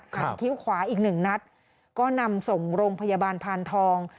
คิ้วขวาอีกหนึ่งนัดก็นำส่งโรงพยาบาลพานทอง